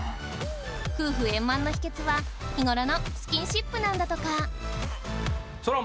夫婦円満の秘訣は日頃のスキンシップなんだとかそら